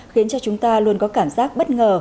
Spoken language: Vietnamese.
khiến cho chúng ta luôn có cảm giác bất ngờ